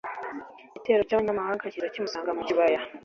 igitero cy'abanyamahanga kiza kimusanga mu kibaya